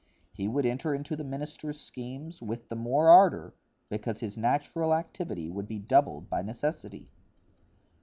He would enter into the minister's schemes with the more ardor, because his natural activity would be doubled by necessity.